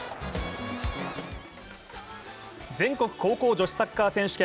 全国高校女子サッカー選手権。